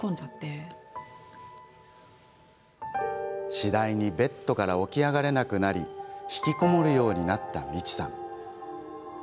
次第にベッドから起き上がれなくなりひきこもるようになったみちさん。